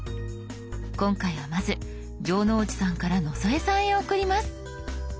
今回はまず城之内さんから野添さんへ送ります。